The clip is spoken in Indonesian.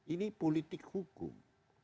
ini politik hukum